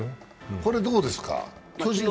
これ、どうですか？